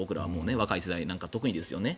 若い世代なんか特にですよね。